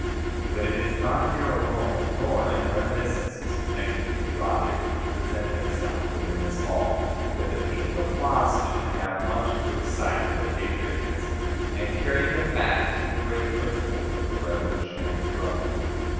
But it is not here alone, nor in reminiscences connected with the objects which present themselves within this hall, that the people of Boston have much to excite their patriotism and carry them back to the great principles of the Revolutionary struggle.